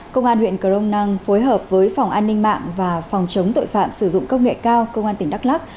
công an huyện cờ rông năng phối hợp với phòng an ninh mạng và phòng chống tội phạm sử dụng công nghệ cao công an tỉnh đắk lắc